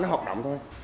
nó hoạt động thôi